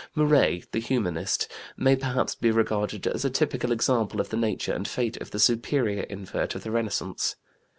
Muret, the Humanist, may perhaps be regarded as a typical example of the nature and fate of the superior invert of the Renaissance.